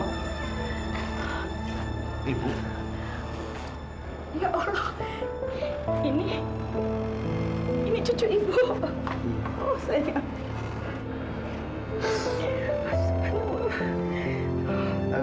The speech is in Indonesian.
aku tahu kalau dia penuh memperkuasa sekretarisnya sendiri